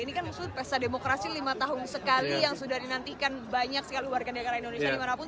ini kan maksudnya pesta demokrasi lima tahun sekali yang sudah dinantikan banyak sekali warga negara indonesia dimanapun